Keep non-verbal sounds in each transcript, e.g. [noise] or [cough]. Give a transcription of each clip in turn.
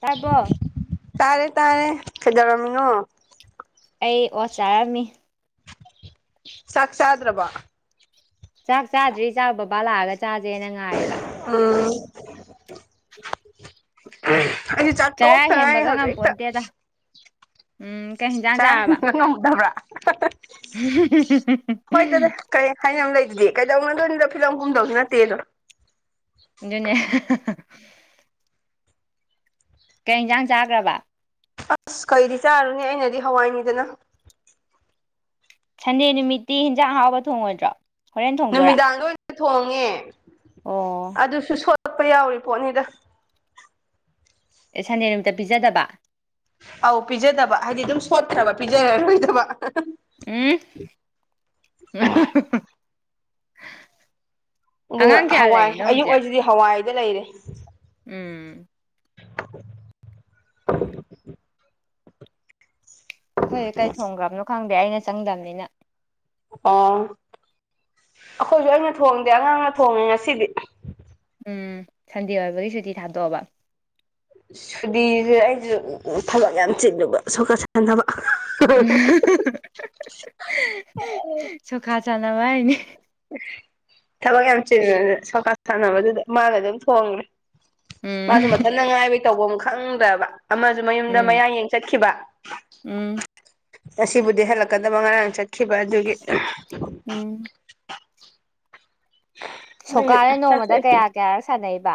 ꯇꯥꯔꯕꯣ ꯇꯥꯔꯦ ꯇꯥꯔꯦ ꯀꯩꯗꯧꯔꯝꯃꯤꯅꯣ ꯑꯩ ꯑꯣꯠ ꯆꯥꯔꯝꯃꯤ ꯆꯥꯛ ꯆꯥꯗ꯭ꯔꯕꯣ ꯆꯥꯛ ꯆꯥꯗ꯭ꯔꯤ ꯆꯥꯛ ꯕꯕꯥ ꯂꯥꯛꯑꯒ ꯆꯥꯥꯖꯦꯅ ꯉꯥꯏꯔꯤꯕ ꯎꯝ ꯑꯩꯗꯤ ꯆꯥꯛ ꯆꯔꯥ ꯇꯣꯛꯇ ꯉꯥꯏꯔꯤ ꯍꯦꯟꯕꯒ ꯍꯧꯖꯤꯛꯇ ꯉꯝꯄꯣꯟꯇꯦꯗ ꯎꯝ ꯀꯩ ꯍꯤꯟꯖꯥꯡ ꯆꯔꯥ ꯆꯥꯔꯕ ꯍꯦꯟꯕ ꯉꯝꯗꯕ꯭ꯔꯥ [unintelligible] ꯍꯣꯏ ꯑꯗꯨꯗꯤ ꯀꯔꯤ ꯍꯥꯏꯅꯕ ꯂꯩꯗꯨꯗꯤ ꯀꯩꯗꯧꯅꯗꯣꯏꯅꯣꯗ ꯐꯤꯂꯝ ꯀꯨꯝꯗꯧꯁꯨ ꯅꯠꯇꯦꯗꯣ ꯑꯗꯨꯅꯦ ꯀꯩꯟꯖꯥꯡ ꯆꯥꯒ꯭ꯔꯕ ꯑꯁ ꯀꯩꯗꯤ ꯆꯥꯔꯨꯅꯦ ꯑꯩꯅꯗꯤ ꯍꯋꯥꯏꯅꯤꯗꯅ ꯁꯟꯗꯦ ꯅꯨꯃꯤꯠꯇꯤ ꯍꯤꯟꯖꯥꯡ ꯑꯍꯥꯎꯕ ꯊꯣꯡꯉꯣꯏꯗ꯭ꯔꯣ ꯍꯣꯔꯦꯟ ꯊꯣꯡꯗꯣꯏꯔꯥ ꯅꯨꯃꯤꯗꯥꯡꯗ ꯑꯣꯏꯅ ꯊꯣꯡꯉꯦ ꯑꯣ ꯑꯗꯨꯁꯨ ꯁꯣꯠꯄ ꯌꯥꯎꯔꯤ ꯄꯣꯠꯅꯤꯗ ꯑꯦ ꯁꯟꯗꯦ ꯅꯨꯃꯤꯠꯇ ꯄꯤꯖꯗꯕ ꯑꯧ ꯄꯤꯖꯗꯕ ꯍꯥꯏꯗꯤ ꯑꯗꯨꯝ ꯁꯣꯠꯈ꯭ꯔꯕ ꯄꯤꯖꯔꯔꯣꯏꯗꯕ ꯎꯝ ꯑꯗꯨꯅ ꯑꯉꯥꯡ ꯀꯌꯥ ꯍꯋꯥꯏ ꯂꯩꯔꯤꯅꯣ ꯑꯌꯨꯛ ꯍꯧꯖꯤꯛ ꯍꯥꯏꯁꯤꯗꯤ ꯍꯋꯥꯏꯗ ꯂꯩꯔꯦ ꯎꯝ [unintelligible] ꯑꯩꯈꯣꯏ ꯀꯩ ꯊꯣꯡꯈ꯭ꯔꯕꯅꯣ ꯈꯪꯗꯦ ꯑꯩꯅ ꯆꯪꯗꯝꯅꯤꯅ ꯑꯣ ꯑꯩꯈꯣꯏꯁꯨ ꯑꯩꯅ ꯊꯣꯡꯗꯦ ꯑꯉꯥꯡꯅ ꯊꯣꯡꯉꯦ ꯉꯁꯤꯗꯤ ꯎꯝ ꯁꯟꯗꯦ ꯑꯣꯏꯕꯒꯤ ꯁꯨꯇꯤ ꯊꯥꯗꯣꯛꯑꯕ ꯁꯨꯗꯤꯁꯦ ꯑꯩꯁꯨ ꯊꯕꯛ ꯌꯥꯝ ꯆꯤꯜꯂꯨꯕ ꯁꯣꯛꯀꯥ ꯁꯥꯟꯅꯕ ꯎꯝ ꯁꯣꯀꯥ ꯁꯥꯟꯅꯕ ꯍꯥꯏꯅꯤ ꯊꯕꯛ ꯌꯥꯝ ꯆꯤꯟ ꯁꯣꯀꯥ ꯁꯥꯟꯅꯕꯗꯨꯗ ꯃꯥꯅ ꯑꯗꯨꯝ ꯊꯣꯡꯉꯦ ꯃꯥꯁꯨ ꯎꯝ ꯃꯊꯟꯇ ꯉꯥꯏꯕꯩ ꯇꯧꯕꯝ ꯈꯪꯗꯕ ꯑꯃꯁꯨ ꯃꯌꯨꯝꯗ ꯎꯝ ꯃꯌꯥ ꯌꯦꯡ ꯆꯠꯈꯤꯕ ꯎꯝ ꯉꯁꯤꯕꯨꯗꯤ ꯍꯜꯂꯛꯀꯗꯕ ꯉꯔꯥꯡ ꯆꯠꯈꯤꯕ ꯑꯗꯨꯒꯤ ꯎꯝ [unintelligible] ꯁꯣꯀꯥꯁꯦ ꯅꯣꯡꯃꯗ ꯀꯌꯥ ꯆꯥꯊꯣꯛꯑꯦ ꯀꯌꯥꯔꯛ꫰ꯁꯥꯟꯅꯩꯕ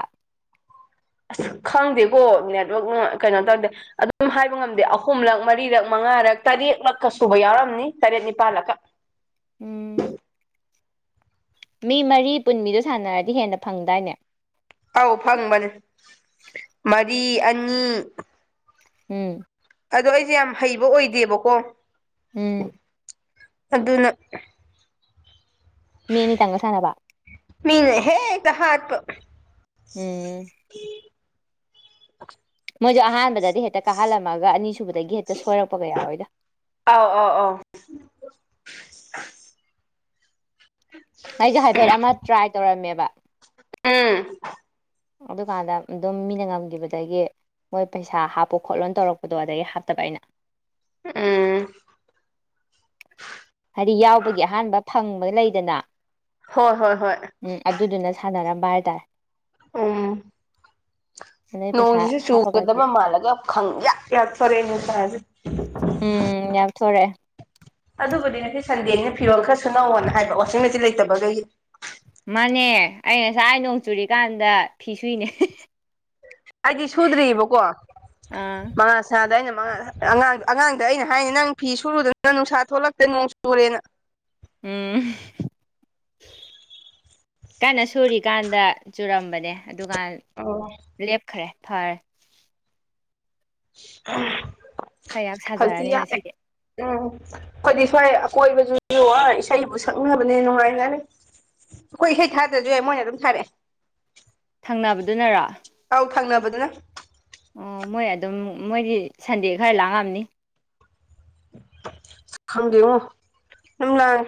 ꯑꯁ ꯈꯪꯗꯦꯀꯣ ꯅꯦꯠꯋꯥꯛꯅ ꯀꯩꯅꯣ ꯇꯧꯗꯦ ꯑꯗꯨꯝ ꯍꯥꯏꯕ ꯉꯝꯗꯦ ꯑꯍꯨꯝꯂꯛ ꯃꯔꯤꯔꯛ ꯃꯉꯥꯔꯛ ꯇꯔꯦꯠꯂꯛꯀ ꯁꯨꯕ ꯌꯥꯎꯔꯝꯅꯤ ꯇꯔꯦꯠ ꯅꯤꯄꯥꯜꯂꯛꯀ ꯎꯝ ꯃꯤ ꯃꯔꯤ ꯄꯨꯟꯕꯤꯗꯣ ꯁꯥꯟꯅꯔꯗꯤ ꯍꯦꯟꯅ ꯐꯪꯗꯥꯏꯅꯦ ꯑꯥꯎ ꯐꯪꯕꯅꯦ ꯃꯔꯤ ꯑꯅꯤ ꯎꯝ ꯑꯗꯣ ꯑꯩꯁꯦ ꯌꯥꯝ ꯍꯩꯕ ꯑꯣꯏꯗꯦꯕꯀꯣ ꯎꯝ ꯑꯗꯨꯅ ꯃꯤ ꯑꯅꯤ ꯇꯪꯒ ꯁꯥꯟꯅꯕ ꯃꯤꯅ ꯍꯦꯛꯇ ꯍꯥꯠꯄ ꯑꯨꯝ ꯃꯣꯏꯁꯨ ꯑꯍꯥꯟꯕꯗꯗꯤ ꯍꯦꯛꯇ ꯀꯥꯍꯜꯂꯝꯃꯒ ꯑꯅꯤꯁꯨꯕꯗꯒꯤ ꯍꯦꯛꯇ ꯁꯣꯏꯔꯛꯄꯒ ꯌꯥꯎꯏꯗ ꯑꯥꯎ ꯑꯥꯎ ꯑꯥꯎ [unintelligible] ꯑꯩꯖꯨ ꯍꯥꯏꯐꯦꯠ ꯑꯃ ꯇ꯭ꯔꯥꯏ ꯇꯧꯔꯝꯃꯦꯕ ꯑꯨꯝ ꯑꯗꯨꯀꯥꯟꯗ ꯑꯗꯨꯝ ꯃꯤꯅ ꯉꯝꯈꯤꯕꯗꯒꯤ ꯃꯣꯏ ꯄꯩꯁꯥ ꯍꯥꯞꯄꯨ ꯈꯣꯠꯂꯣꯅ ꯇꯧꯔꯛꯄꯗꯣ ꯑꯗꯒꯤ ꯍꯥꯞꯇꯕ ꯑꯩꯅ ꯑꯨꯝ ꯍꯥꯏꯔꯤ ꯌꯥꯎꯕꯒꯤ ꯑꯍꯥꯟꯕ ꯐꯪꯕ ꯂꯩꯗꯅ ꯍꯣꯏ ꯍꯣꯏ ꯍꯣꯏ ꯎꯝ ꯑꯗꯨꯗꯨꯅ ꯁꯥꯟꯅꯔꯝꯕ ꯍꯥꯏꯇꯥꯔꯦ ꯑꯨꯝ ꯑꯗꯩ ꯄꯩꯁꯥ ꯅꯣꯡꯁꯤꯁꯨ ꯍꯥꯞꯄꯒꯗꯤ ꯆꯨꯒꯗꯕ ꯃꯥꯜꯂꯒ ꯈꯪ ꯌꯥ ꯌꯥꯛꯊꯣꯔꯛꯑꯦ ꯅꯨꯡꯁꯁꯦ ꯑꯝ ꯌꯥꯛꯊꯣꯔꯛꯑꯦ ꯑꯗꯨꯕꯨꯗꯤ ꯅꯁꯤ ꯁꯟꯗꯦꯅꯤꯅ ꯐꯤꯔꯣꯜ ꯈꯔ ꯁꯨꯅꯧꯋꯅ ꯍꯥꯏꯕ ꯋꯁꯤꯡ ꯃꯆꯤꯟ ꯂꯩꯇꯕꯒꯩꯒꯤ ꯃꯥꯅꯦ ꯑꯩ ꯉꯁꯥꯏ ꯅꯣꯡ ꯆꯨꯔꯤꯀꯥꯟꯗ ꯐꯤ ꯁꯨꯏꯅꯦ ꯑꯩꯗꯤ ꯁꯨꯗ꯭ꯑꯔꯤꯕꯀꯣ ꯑꯥ [unintelligible] ꯁꯗ ꯑꯩꯅ ꯃꯉꯟ ꯑꯉꯥꯡ ꯑꯉꯥꯡꯗ ꯑꯩꯅ ꯍꯥꯏꯅꯤ ꯅꯪ ꯐꯤ ꯁꯨꯔꯨꯗꯅ ꯅꯨꯡꯁꯥ ꯊꯣꯛꯂꯛꯇꯦ ꯅꯣꯡ ꯆꯨꯔꯦꯅ ꯑꯨꯝ ꯀꯟꯅ ꯁꯨꯔꯤꯀꯥꯟꯗ ꯆꯨꯔꯝꯕꯅꯦ ꯑꯗꯨꯀꯥꯟ ꯑꯣ ꯂꯦꯞꯈ꯭ꯔꯦ ꯐꯔꯦ ꯈꯔ ꯌꯥꯛ ꯁꯥꯖꯔꯅꯤ ꯉꯁꯤꯗꯤ [unintelligible] ꯑꯨꯝ ꯑꯩꯈꯣꯏꯗꯤ ꯁ꯭ꯋꯥꯏ ꯑꯀꯣꯏꯕꯁꯨ ꯑꯥ ꯏꯁꯩꯕꯨ ꯁꯛꯅꯕꯅꯦ ꯅꯨꯡꯉꯥꯏꯅꯔꯤ ꯑꯩꯈꯣꯏ ꯏꯁꯩ ꯊꯥꯗ꯭ꯔꯁꯨ ꯌꯥꯏ ꯃꯣꯏꯅ ꯑꯗꯨꯝꯊꯔꯛꯑꯦ ꯊꯪꯅꯕꯗꯨꯅꯔꯣ ꯑꯧ ꯊꯪꯅꯕꯗꯨꯅ ꯑꯣ ꯃꯣꯏ ꯑꯗꯨꯝ ꯃꯣꯏꯗꯤ ꯁꯟꯗꯦ ꯈꯔ ꯂꯥꯡꯉꯝꯅꯤ ꯈꯪꯗꯦꯉꯣ [unintelligible] ꯂꯥꯡꯏ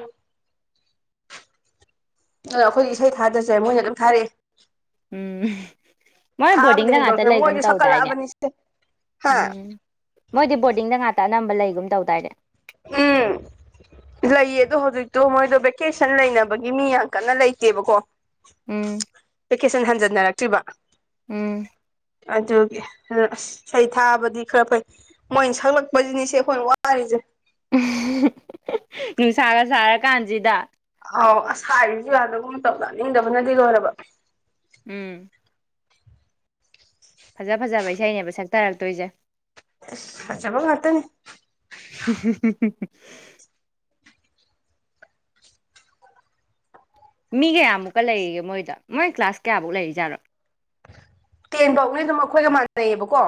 ꯑꯗꯣ ꯑꯩꯈꯣꯏꯗꯤ ꯏꯁꯩ ꯊꯥꯗ꯭ꯔꯁꯨ ꯌꯥꯏ ꯃꯣꯏꯅ ꯑꯗꯨꯝ ꯊꯥꯔꯛꯑꯦ ꯑꯨꯝ ꯃꯥꯏ ꯊꯥꯕꯗ ꯕꯣꯔꯗꯤꯡꯗ ꯉꯥꯛꯇ ꯍꯦꯟꯗꯣꯔꯛꯇꯅ ꯂꯩꯒꯨꯝ ꯃꯣꯏꯗꯤ ꯇꯧꯗꯥꯏꯅꯦ ꯁꯛꯀꯠꯂꯛꯑꯕꯅꯤ ꯁꯦ ꯍꯥ ꯑꯨꯝ ꯃꯣꯏꯗꯤ ꯕꯣꯔꯗꯤꯡꯗ ꯉꯥꯛꯇ ꯑꯅꯝꯕ ꯂꯩꯒꯨꯝ ꯇꯧꯗꯥꯏꯅꯦ ꯑꯨꯝ ꯂꯩꯌꯦ ꯑꯗꯣ ꯍꯧꯖꯤꯛꯇꯣ ꯃꯣꯏꯗꯣ ꯚꯦꯀꯦꯁꯟ ꯂꯩꯅꯕꯒꯤ ꯃꯤ ꯌꯥꯝ ꯀꯟꯅ ꯂꯩꯇꯦꯕꯀꯣ ꯑꯨꯝ ꯚꯦꯀꯦꯁꯟ ꯍꯟꯖꯟꯅꯔꯛꯇ꯭ꯔꯤꯕ ꯑꯨꯝ ꯑꯗꯨꯒꯤ ꯁꯩ ꯊꯥꯕꯗꯤ ꯈꯔ ꯐꯩ ꯃꯣꯏꯅ ꯁꯛꯂꯛꯄꯁꯤꯅꯤ ꯁꯦ ꯑꯩꯈꯣꯏꯅ ꯋꯥꯔꯤꯔꯤꯁꯦ ꯅꯨꯡꯁꯥꯒ ꯁꯥꯔꯀꯥꯟꯁꯤꯗ ꯑꯥꯎ ꯍꯥꯏꯔꯨꯕꯁꯨ ꯌꯥꯗꯒꯨꯝ ꯇꯧ ꯇꯅꯤꯡꯗꯕꯅꯗꯤ ꯂꯣꯏꯔꯕ ꯑꯨꯝ ꯐꯖ ꯐꯖꯕ ꯏꯁꯩꯅꯦꯕ ꯁꯛꯊꯔꯛꯇꯣꯏꯁꯦ ꯏꯁ ꯐꯖꯕꯥ ꯉꯡꯇꯅꯤ [unintelligible] ꯃꯤ ꯀꯌꯥꯃꯨꯛꯀ ꯂꯩꯔꯤꯒꯦ ꯃꯣꯏꯗ ꯃꯣꯏ ꯀ꯭ꯂꯥꯁ ꯀꯌꯥꯐꯧꯛ ꯂꯩꯔꯤꯖꯥꯠꯅꯣ ꯇꯦꯟ ꯐꯥꯎꯅꯤ ꯑꯗꯨꯝ ꯑꯩꯈꯣꯏꯒ ꯃꯥꯟꯅꯩꯌꯦꯕꯀꯣ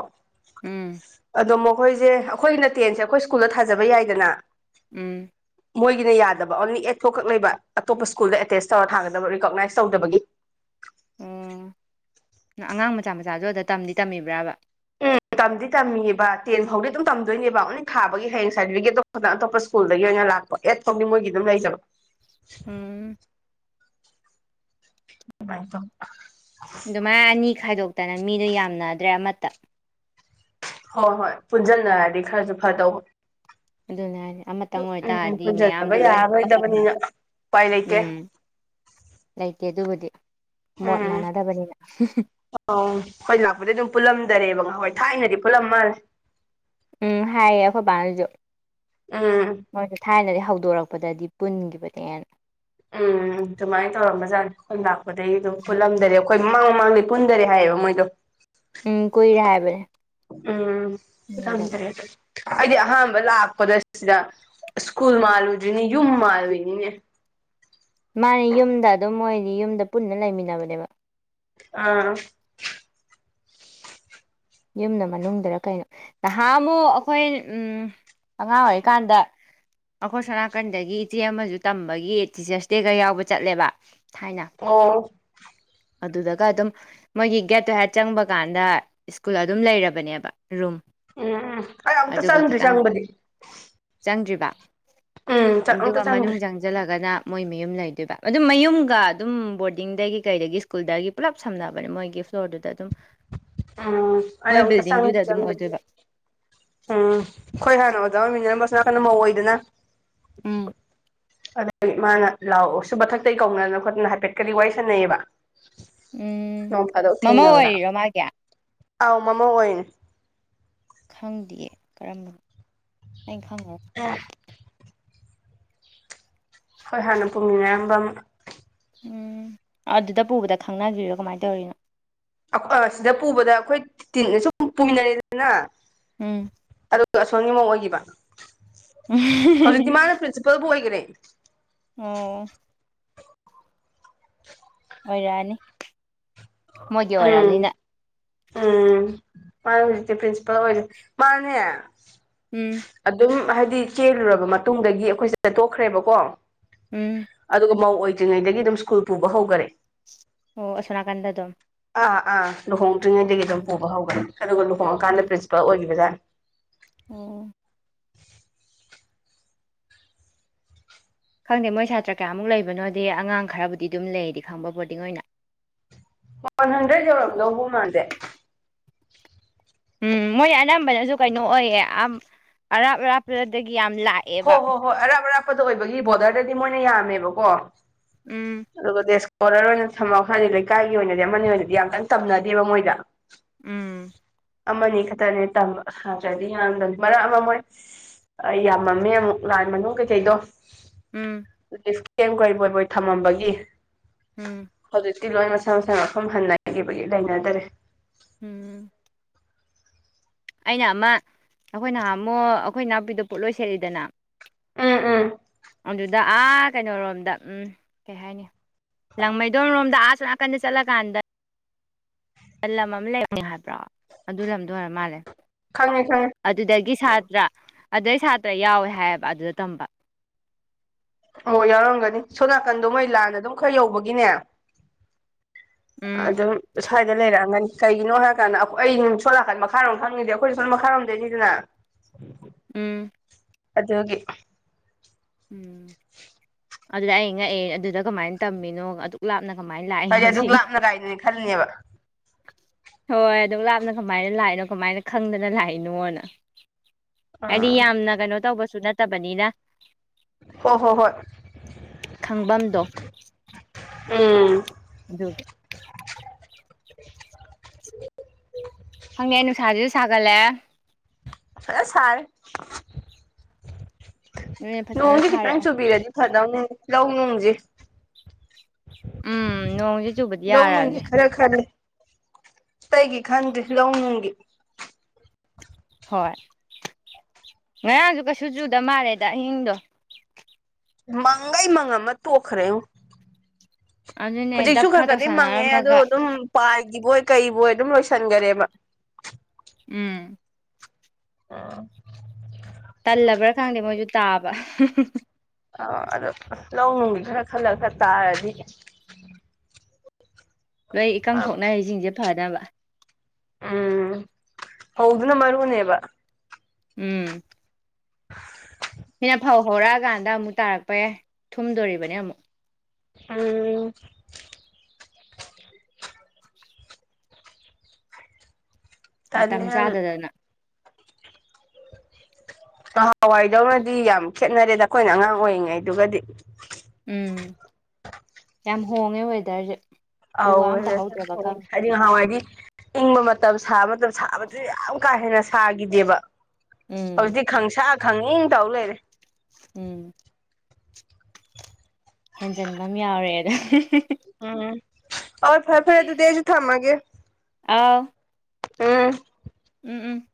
ꯎꯝ ꯑꯗꯣ ꯃꯈꯣꯏꯁꯦ ꯑꯩꯈꯣꯏꯅ ꯇꯦꯟꯁꯦ ꯑꯩꯈꯣꯏ ꯁꯀꯨꯜꯗ ꯊꯥꯖꯕ ꯌꯥꯏꯗꯅ ꯎꯝ ꯃꯣꯏꯒꯤꯅ ꯌꯥꯗꯕ ꯑꯣꯟꯂꯤ ꯑꯦꯠ ꯊꯣꯛꯈꯛ ꯂꯩꯕ ꯑꯇꯣꯞꯄ ꯁ꯭ꯀꯨꯜꯗ ꯑꯦꯇꯦꯆꯁ ꯇꯧꯔ ꯊꯥꯒꯗꯕ ꯔꯤꯀꯣꯛꯅꯥꯏꯁ ꯇꯧꯗꯕꯒꯤ ꯎꯝ ꯑꯉꯥꯡ ꯃꯆꯥ ꯃꯆꯥꯖꯨ ꯑꯗ ꯇꯝꯗꯤ ꯇꯝꯃꯤꯕ꯭ꯔꯥꯕ ꯎꯝ ꯇꯝꯗꯤ ꯇꯝꯃꯤꯕ ꯇꯦꯟ ꯐꯥꯎꯗꯤ ꯑꯗꯨꯝ ꯇꯝꯗꯣꯏꯅꯦꯕ ꯑꯣꯟꯂꯤ ꯊꯥꯒꯤ ꯍꯌꯦꯡ ꯁꯥꯔꯇꯤꯐꯤꯀꯦꯠꯇꯣ ꯈꯛꯇꯪ ꯑꯇꯣꯞꯄ ꯁ꯭ꯀꯨꯜꯗꯒꯤ ꯑꯣꯏꯅ ꯂꯥꯛꯄ ꯑꯦꯠ ꯐꯥꯎꯗꯤ ꯃꯣꯏꯒꯤ ꯑꯗꯨꯝ ꯂꯩꯖꯕ ꯎꯝ [unintelligible] ꯑꯗꯨꯃꯥꯏ ꯑꯅꯤ ꯈꯥꯏꯗꯣꯛꯇꯅ ꯃꯤꯗꯣ ꯌꯥꯝꯅꯗ꯭ꯔꯦ ꯑꯃꯠꯇ ꯍꯣꯏ ꯍꯣꯏ ꯄꯨꯟꯖꯟꯅꯔꯗꯤ ꯈꯔꯁꯨ ꯐꯗꯧꯕ ꯑꯗꯨꯅ ꯍꯥꯏꯗꯤ ꯑꯃꯇꯪ [unintelligible] ꯎꯝ ꯑꯣꯏꯇꯥꯔꯗꯤ ꯄꯨꯟꯖꯟꯗꯕ ꯃꯌꯥꯝꯗꯣ ꯂꯣꯏ ꯌꯥꯔꯔꯣꯏꯗꯕꯅꯤꯅ ꯍꯥꯏꯕ ꯎꯄꯥꯏ ꯂꯩꯇꯦ ꯎꯝ ꯂꯩꯇꯦ ꯑꯗꯨꯕꯨꯗꯤ ꯃꯣꯠ ꯃꯥꯟꯅꯗꯕꯅꯤꯅ ꯑꯥꯎ ꯈꯣꯏ ꯂꯥꯛꯄꯗꯩ ꯑꯗꯨꯝ ꯄꯨꯜꯂꯝꯗꯔꯦꯕ ꯉꯍꯥꯋꯥꯏ ꯊꯥꯏꯅꯗꯤ ꯄꯨꯜꯂꯝꯃꯥꯜꯂꯦ ꯎꯝ ꯍꯥꯏꯌꯦ ꯑꯩꯈꯣꯏꯕꯥꯅꯖꯨ ꯎꯝ ꯃꯣꯏꯁꯦ ꯊꯥꯏꯅꯗꯤ ꯍꯧꯗꯣꯔꯛꯄꯗꯗꯤ ꯄꯨꯟꯈꯤꯕꯅꯦꯅ ꯎꯝ ꯑꯗꯨꯃꯥꯏꯅ ꯇꯧꯔꯝꯕꯖꯥꯠꯅꯤ ꯈꯣꯏꯅ ꯂꯥꯛꯄꯗꯩꯗꯨꯝ ꯄꯨꯟꯂꯝꯗꯔꯦ ꯈꯣꯏ ꯃꯃꯥꯡ ꯃꯃꯥꯡꯗꯩ ꯄꯨꯟꯗꯔꯦ ꯍꯥꯏꯌꯦꯕ ꯃꯣꯏꯗꯣ ꯎꯝ ꯀꯨꯏꯔꯦ ꯍꯥꯏꯕꯅꯦ ꯎꯝ ꯄꯨꯟꯈꯤꯗꯕ ꯗ꯭ꯔꯦꯗ [unintelligible] ꯑꯩꯗꯤ ꯑꯍꯥꯟꯕ ꯂꯥꯛꯄꯗ ꯁꯤꯗ ꯁ꯭ꯀꯨꯜ ꯃꯥꯜꯂꯨꯗ꯭ꯔꯤꯅꯤ ꯌꯨꯝ ꯃꯥꯜꯂꯨꯏꯅꯤꯅꯦ ꯃꯥꯅꯦ ꯌꯨꯝꯗ ꯑꯗꯨꯝ ꯃꯣꯏꯗꯤ ꯌꯨꯝꯗ ꯄꯨꯟꯅ ꯂꯩꯃꯤꯟꯅꯕꯅꯦꯕ ꯑꯥ ꯌꯨꯝꯅ ꯃꯅꯨꯡꯗꯔꯥ ꯀꯩꯅꯣ ꯅꯍꯥꯟꯃꯨꯛ ꯑꯩꯈꯣꯏ ꯎꯝ ꯑꯉꯥꯡ ꯑꯣꯏꯔꯤꯀꯥꯟꯗ ꯑꯩꯈꯣꯏ ꯁꯣꯅꯥꯀꯟꯗꯒꯤ ꯏꯆꯦ ꯑꯃꯁꯨ ꯇꯝꯕꯒꯤ ꯇꯤꯆꯔꯁ ꯗꯦꯒ ꯌꯥꯎꯕ ꯆꯠꯂꯦꯕ ꯊꯥꯏꯅ ꯑꯣ ꯑꯗꯨꯗꯒ ꯑꯗꯨꯝ ꯃꯣꯏꯒꯤ ꯒꯦꯠꯇꯨ ꯍꯦꯛ ꯆꯪꯕ ꯀꯥꯟꯗ ꯁ꯭ꯀꯨꯜ ꯑꯗꯨꯝ ꯂꯩꯔꯕꯅꯦꯕ ꯔꯨꯝ ꯎꯝ ꯑꯩ ꯑꯃꯨꯛꯇ ꯑꯗꯨꯒ ꯆꯪꯗ꯭ꯔꯤ ꯈꯤꯇꯪ ꯆꯪꯕꯗꯤ ꯆꯪꯗ꯭ꯔꯤꯕ ꯎꯝ ꯆꯪ ꯑꯝꯇ ꯑꯗꯨꯒ ꯃꯅꯨꯡ ꯆꯪꯗ꯭ꯔꯤ ꯆꯪ ꯖꯜꯂꯒꯅ ꯃꯣꯏ ꯃꯌꯨꯝ ꯂꯩꯗꯣꯏꯕ ꯑꯗꯨꯝ ꯃꯌꯨꯝꯒ ꯑꯗꯨꯝ ꯕꯣꯔꯗꯤꯡꯗꯒꯤ ꯀꯩꯗꯒꯤ ꯁ꯭ꯀꯨꯜꯗꯒꯤ ꯄꯨꯂꯞ ꯁꯝꯅꯕꯅꯦ ꯃꯣꯏꯒꯤ ꯐ꯭ꯂꯣꯔꯗꯨꯗ ꯑꯗꯨꯝ ꯎꯝ ꯑꯩ ꯃꯣꯏ ꯑꯃꯨꯛꯇ ꯕꯤꯜꯗꯤꯡꯗꯨꯗ ꯆꯪꯗ꯭ꯔꯤ ꯑꯗꯨꯝ ꯆꯪꯕꯗꯤ ꯑꯣꯏꯗꯣꯏꯕ ꯎꯝ ꯑꯩꯈꯣꯏ ꯍꯥꯟꯅ ꯑꯣꯖꯥ ꯑꯣꯏꯃꯤꯟꯅꯔꯝꯕ ꯑꯁꯣꯝꯅꯥꯀꯟꯗ ꯃꯧ ꯑꯣꯏꯗꯅ ꯎꯝ ꯑꯗꯩ ꯃꯥꯅ ꯂꯥꯛꯑꯣ ꯁꯨꯝ ꯃꯊꯛꯇꯩ ꯀꯧꯗꯅ ꯈꯣꯠꯇꯅ ꯍꯥꯏꯐꯦꯠ ꯀꯗꯤ ꯋꯥꯔꯤ ꯁꯥꯟꯅꯩꯑꯕ ꯎꯝ ꯅꯣꯡ ꯐꯥꯗꯣꯛ ꯃꯃꯧ ꯊꯦꯡꯅꯕꯗ ꯑꯣꯏꯔꯤꯔꯣ ꯃꯥꯒꯤ ꯑꯥꯎ ꯃꯃꯧ ꯑꯣꯏꯔꯤꯅꯦ꯫ ꯈꯪꯗꯤꯌꯦ ꯀꯔꯝꯕꯅꯣ ꯑꯩ ꯈꯪꯉꯔꯣꯏ [unintelligible] ꯈꯣꯏ ꯍꯥꯟꯅ ꯄꯨꯃꯤꯟꯅꯔꯝꯕ ꯑꯃ ꯎꯝ ꯑꯗꯨꯗ ꯄꯨꯕꯗ ꯈꯪꯅꯒ꯭ꯔꯤꯔꯣ ꯀꯃꯥꯏꯅ ꯇꯧꯔꯤꯅꯣ ꯑ ꯁꯤꯗ ꯄꯨꯕꯗ ꯑꯩꯈꯣꯏ ꯇꯤꯟ ꯁꯨꯝ ꯄꯨꯃꯤꯟꯅꯔꯦꯗꯅ ꯎꯝ ꯑꯗꯨꯒ ꯑꯁꯣꯟꯒꯤꯃꯨꯛ ꯑꯣꯏꯈꯤꯕ ꯎꯝ ꯍꯧꯖꯤꯛꯇꯤ ꯃꯥꯅ ꯄ꯭ꯔꯤꯟꯁꯤꯄꯜꯕꯨ ꯑꯣꯏꯈꯔꯦ ꯑꯣ ꯑꯣꯏꯔꯛꯑꯅꯤ ꯃꯣꯏꯒꯤ ꯎꯝ ꯑꯣꯏꯔꯕꯅꯤꯅ ꯎꯝ ꯃꯥꯅꯦ ꯍꯧꯖꯤꯛꯇꯤ ꯄꯔꯤꯟꯁꯤꯄꯥꯜ ꯑꯣꯏꯁꯦ ꯃꯥꯅꯦ ꯎꯝ ꯑꯗꯨꯝ ꯍꯥꯏꯗꯤ ꯆꯦꯜꯂꯨꯔꯕ ꯃꯇꯨꯡꯗꯒꯤ ꯑꯩꯈꯣꯏꯁꯦ ꯆꯠꯇꯣꯛꯈ꯭ꯔꯦꯕꯀꯣ ꯎꯝ ꯑꯗꯨꯒ ꯃꯧ ꯑꯣꯏꯗ꯭ꯔꯤꯉꯩꯗꯒꯤ ꯑꯗꯨꯝ ꯁ꯭ꯀꯨꯜ ꯄꯨꯕ ꯍꯧꯒꯔꯦ ꯑꯣ ꯑꯁꯣꯅꯥꯀꯥꯟꯗ ꯑꯗꯨꯝ ꯑꯥ ꯑꯥ ꯂꯨꯍꯣꯡꯗ꯭ꯔꯤꯉꯩꯗꯒꯤ ꯑꯗꯨꯝ ꯎꯝ ꯄꯨꯕ ꯍꯧꯒꯔꯦ ꯑꯗꯨꯒ ꯂꯨꯍꯣꯡꯉꯀꯥꯟꯗ ꯄ꯭ꯔꯤꯟꯁꯤꯄꯥꯜ ꯑꯣꯏꯈꯤꯕ ꯖꯥꯠꯅꯦ ꯑꯣ ꯈꯪꯗꯦ ꯃꯣꯏ ꯁꯥꯇ꯭ꯔ ꯀꯌꯥꯃꯨꯛ ꯂꯩꯕꯅꯣꯗꯤ ꯑꯉꯥꯡ ꯈ꯭ꯔꯕꯨꯗꯤ ꯑꯗꯨꯝ ꯂꯩꯗꯤ ꯈꯪꯕ ꯕꯣꯔꯗꯤꯡ ꯑꯣꯏꯅ ꯋꯥꯟ ꯍꯟꯗ꯭ꯔꯦꯗ ꯌꯧꯔꯝꯗꯧꯕꯨ ꯃꯥꯟꯗꯦ ꯎꯝ ꯃꯣꯏ ꯑꯅꯝꯕꯅꯁꯨ ꯀꯩꯅꯣ ꯑꯣꯏꯌꯦ ꯑꯔꯥꯞ ꯑꯔꯥꯞꯄꯗꯒꯤ ꯌꯥꯝ ꯂꯥꯛ ꯍꯣꯏ ꯍꯣꯏ ꯍꯣꯏ ꯑꯔꯥꯞ ꯑꯔꯥꯞꯄꯗ ꯑꯣꯏꯕꯒꯤ ꯕꯣꯔꯗ꯭ꯔꯗꯗꯤ ꯃꯣꯏꯅ ꯌꯥꯝꯃꯦꯕꯀꯣ ꯎꯝ ꯑꯗꯨꯒ ꯗꯦꯁ ꯑꯣꯔ꯭ꯔ ꯑꯣꯏꯅ ꯊꯝꯃ ꯍꯥꯏꯔꯗꯤ ꯂꯩꯀꯥꯏꯒꯤ ꯑꯣꯏꯅꯗꯤ ꯑꯃꯅꯤ ꯑꯣꯏꯅꯗꯤ ꯌꯥꯝꯀꯥꯟꯅ ꯇꯝꯅꯗꯦꯕ ꯃꯣꯏꯗ ꯎꯝ ꯑꯃꯅꯤ ꯈꯛꯇꯅꯤ ꯇꯝꯕꯥ ꯁꯥꯇ꯭ꯔꯗꯤ ꯌꯥꯝꯗꯝꯅꯤ ꯃꯔꯛ ꯑꯃ ꯃꯣꯏ ꯑꯩ ꯌꯥꯝꯃꯝꯃꯦ ꯑꯃꯨꯛ ꯂꯥꯟ ꯃꯅꯨꯡ ꯀꯩꯀꯩꯗꯣ ꯎꯝ [unintelligible] ꯊꯝꯃꯝꯕꯒꯤ ꯎꯝ ꯍꯧꯖꯤꯛꯇꯤ ꯂꯣꯏ ꯃꯁꯥ ꯃꯁꯥ ꯃꯐꯝ ꯍꯟꯅꯈꯤꯕꯒꯤ ꯂꯩꯅꯗꯔꯦ ꯎꯝ ꯑꯩꯅ ꯑꯃ ꯑꯩꯈꯣꯏ ꯅꯍꯥꯝꯃꯣꯛ ꯑꯩꯈꯣꯏ ꯏꯅꯥꯎꯄꯤꯗꯣ ꯄꯣꯠꯂꯣꯏ ꯁꯦꯠꯂꯤꯗꯅ ꯎꯝ ꯎꯝ ꯑꯗꯨꯗ ꯑꯥ ꯀꯩꯅꯣꯔꯣꯝꯗ ꯎꯝ ꯀꯩ ꯍꯥꯏ ꯍꯥꯌꯅꯤ ꯂꯥꯡꯃꯩꯗꯣꯟꯔꯣꯝꯗ ꯑꯥꯁꯣꯝ ꯅꯥꯀꯟꯗ ꯆꯠꯂ ꯀꯥꯟꯗ ꯂꯝ ꯑꯃ ꯂꯩꯕꯅꯦ ꯍꯥꯏꯕ꯭ꯔꯣ ꯑꯗꯨ ꯂꯝꯗꯣ ꯑꯣꯏꯔ ꯃꯥꯜꯂꯦ ꯈꯪꯉꯦ ꯈꯪꯉꯦ ꯑꯗꯨꯗꯒꯤ ꯁꯥꯇ꯭ꯔꯥ ꯑꯗꯨꯏ ꯁꯥꯇ꯭ꯔꯥ ꯌꯥꯎꯋꯦ ꯍꯥꯏꯌꯦꯕꯥ ꯑꯗꯨꯗ ꯇꯝꯕ ꯑꯣ ꯌꯥꯎꯔꯝꯒꯅꯤ ꯁꯣꯝ ꯅꯥꯀꯟꯗꯣ ꯃꯣꯏ ꯂꯥꯟꯅ ꯑꯗꯨꯝ ꯈꯔ ꯌꯧꯕꯒꯤꯅꯦ ꯎꯝ ꯑꯗꯨꯝ ꯁ꯭ꯋꯥꯏꯗ ꯂꯩꯔꯛꯑꯝꯒꯅꯤ ꯀꯩꯒꯤꯅꯣ ꯍꯥꯏꯔꯀꯥꯟꯗ ꯑꯩ ꯁꯣꯝꯅꯀꯟ ꯃꯈꯥꯔꯣꯝ ꯈꯪꯉꯗꯤ ꯑꯩꯈꯣꯏꯁꯨ ꯁꯣꯝ ꯃꯈꯥꯔꯣꯝꯗꯩꯅꯤꯗꯅ [inaudible] ꯎꯝ ꯑꯗꯨꯒꯤ ꯎꯝ ꯑꯗꯨꯗ ꯑꯩꯅ ꯉꯛꯑꯦ ꯑꯗꯨꯗ ꯀꯃꯥꯏꯅ ꯇꯝꯃꯤꯅꯣ ꯑꯗꯨꯛ ꯂꯥꯞꯅ ꯀꯃꯥꯏꯅ ꯂꯥꯛꯏꯅꯣ ꯁꯤꯅꯤ [unintelligible] ꯈꯜꯅꯦꯕ ꯍꯣꯏ ꯑꯗꯨꯝ ꯂꯥꯞꯅ ꯀꯃꯥꯏꯅ ꯂꯥꯛꯏꯅꯣ ꯀꯃꯥꯏꯅ ꯈꯪꯗꯅ ꯂꯥꯛꯏꯅꯣꯅ ꯍꯥꯏꯗꯤ ꯑꯥ ꯌꯥꯝꯅ ꯀꯩꯅꯣ ꯇꯧꯕꯁꯨ ꯅꯠꯇꯕꯅꯤꯅ ꯍꯣꯏ ꯍꯣꯏ ꯍꯣꯏ ꯈꯪꯐꯝꯗꯣ ꯎꯝ ꯑꯗꯨꯒꯤ ꯈꯪꯗꯦ ꯑꯩ ꯅꯨꯡꯁꯥꯁꯤꯁꯨ ꯁꯥꯒꯠꯂꯛꯑꯦ ꯐꯖꯅ ꯁꯔꯦ ꯑꯗꯨꯅꯦ ꯐꯖꯅ ꯅꯣꯡꯁꯦ ꯈꯤꯇꯪ ꯁꯥꯔꯛꯑꯦ ꯆꯨꯕꯤꯔꯗꯤ ꯐꯗꯧꯅꯤꯅꯦ ꯂꯧ- ꯅꯨꯡꯁꯦ ꯎꯝ ꯅꯣꯡ ꯂꯧ- ꯅꯨꯡꯒꯤ ꯈꯔ ꯈꯜꯂꯦ ꯑꯇꯩꯒꯤ ꯈꯟꯗ꯭ꯔꯤ ꯂꯧ- ꯅꯨꯡꯒꯤ ꯍꯣꯏ ꯉꯔꯥꯡꯁꯨ ꯀꯩꯁꯨ ꯆꯨꯗ ꯃꯥꯜꯂꯦꯗ ꯑꯍꯤꯡꯗꯣ ꯃꯪꯒꯩ ꯃꯪꯉꯝꯃ ꯇꯣꯛꯈ꯭ꯔꯦꯉꯣ ꯑꯗꯨꯅꯦ ꯍꯧꯖꯤꯛꯁꯨ ꯈ꯭ꯔ ꯗꯞꯈꯥ ꯈ꯭ꯔꯗꯤ ꯃꯪꯉꯦ ꯑꯗꯣ ꯇꯧꯁꯟꯅꯔꯝꯃꯒ ꯑꯗꯨꯝ ꯄꯥꯏꯈꯤꯕꯣꯏ ꯀꯔꯤꯕꯣꯏ ꯑꯗꯨꯝ ꯂꯣꯏꯁꯤꯟꯈꯔꯦꯕ ꯎꯝ [unintelligible] ꯇꯜꯂꯕ꯭ꯔꯥ ꯈꯪꯗꯦ ꯃꯣꯏꯁꯨ ꯇꯥꯕ ꯑ ꯑꯗꯣ ꯂꯧ ꯅꯨꯡꯒꯤ ꯈꯔ ꯈꯜꯂ ꯈꯔ ꯇꯥꯔꯗꯤ ꯂꯣꯏ ꯏꯀꯪ ꯐꯕ ꯊꯣꯛꯅꯔꯤꯁꯤꯡꯁꯦ ꯐꯅꯕ ꯎꯝ ꯐꯧꯗꯨꯅ ꯃꯔꯨꯅꯦꯕ ꯎꯝ [unintelligible] ꯁꯤꯅ ꯐꯧ ꯍꯧꯔꯛꯑꯀꯥꯟꯗ ꯑꯃꯨꯛ ꯇꯥꯔꯛꯄ ꯌꯥꯏ ꯊꯨꯝꯗꯣꯔꯤꯕꯅꯦ ꯑꯃꯨꯛ [unintelligible] ꯃꯇꯝ ꯇꯜꯂꯦ ꯌꯥꯝꯅ ꯆꯥꯗꯗꯅ [unintelligible] ꯅꯍꯥꯟꯋꯥꯏꯗꯧꯅꯗꯤ ꯌꯥꯝ ꯈꯦꯠꯅꯔꯦꯗ ꯑꯩꯈꯣꯏꯅ ꯑꯉꯥꯡ ꯑꯣꯏꯔꯤꯉꯩꯗꯨꯒꯗꯤ ꯎꯝ ꯌꯥꯝ ꯍꯣꯡꯉꯦ ꯋꯦꯗꯔꯁꯦ ꯎ ꯑꯥꯎ ꯋꯥ ꯑꯝꯇ ꯍꯧꯗ꯭ꯔꯕ [unintelligible] ꯈꯪꯗꯦ ꯅꯍꯥꯟꯋꯥꯏꯗꯤ ꯏꯪꯕ ꯃꯇꯝ ꯁꯥꯕ ꯃꯇꯝ ꯁꯥꯕꯗꯨꯁꯨ ꯌꯥꯝ ꯀꯥ ꯍꯦꯟꯅ ꯁꯥꯒꯤꯗꯦꯕ ꯎꯝ ꯍꯧꯖꯤꯛꯇꯤ ꯈꯪꯁꯥ ꯈꯪꯏꯡ ꯇꯧ ꯂꯩꯔꯦ ꯎꯝ ꯍꯦꯟꯖꯟꯕ ꯑꯝ ꯌꯥꯎꯔꯦꯑꯗꯣ [unintelligible] ꯎꯝ ꯑꯣꯏ ꯐꯔꯦ ꯐꯔꯦ ꯑꯗꯨꯗꯤ ꯑꯩꯁꯨ ꯊꯝꯃꯒꯦ ꯑꯥꯎ ꯎꯝ ꯎꯝ ꯎꯝ